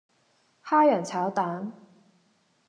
蝦仁炒蛋